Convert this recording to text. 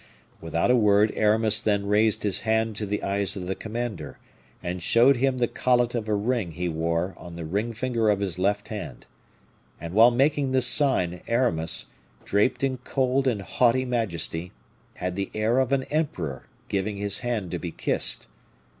Without a word Aramis then raised his hand to the eyes of the commander and showed him the collet of a ring he wore on the ring finger of his left hand. And while making this sign Aramis, draped in cold and haughty majesty, had the air of an emperor giving his hand to be kissed.